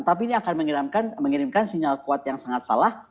tapi ini akan mengirimkan sinyal kuat yang sangat salah